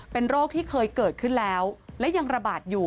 เป็นโรคที่เคยเกิดขึ้นแล้วและยังระบาดอยู่